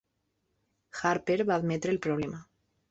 Harper va admetre el problema.